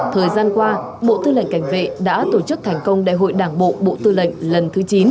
thời gian qua bộ tư lệnh cảnh vệ đã tổ chức thành công đại hội đảng bộ bộ tư lệnh lần thứ chín